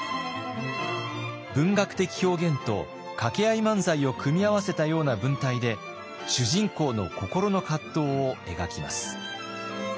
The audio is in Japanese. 文学的表現と掛け合い漫才を組み合わせたような文体で主人公の心の葛藤を描きます。